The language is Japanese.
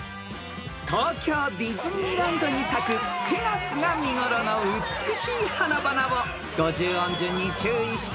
［東京ディズニーランドに咲く９月が見頃の美しい花々を５０音順に注意してお答えください］